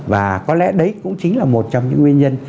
và có lẽ đấy cũng chính là một trong những nguyên nhân